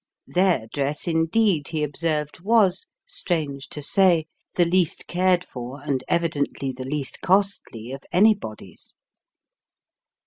Their dress, indeed, he observed, was, strange to say, the least cared for and evidently the least costly of anybody's.